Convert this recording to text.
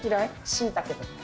しいたけとか？